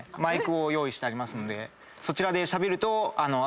そちらでしゃべると。